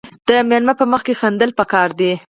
د میلمه په مخ کې خندل پکار دي.